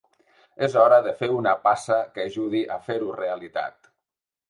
És hora de fer una passa que ajudi a fer-ho realitat.